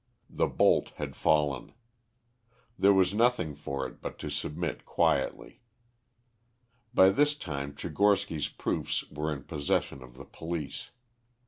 The bolt had fallen. There was nothing for it but to submit quietly. By this time Tchigorsky's proofs were in possession of the police.